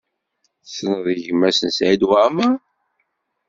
Tessneḍ gma-s n Saɛid Waɛmaṛ?